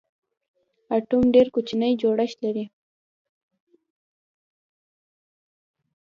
اټوم ډېر کوچنی جوړښت لري.